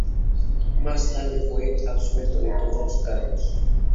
Más tarde fue absuelto de todos los cargos.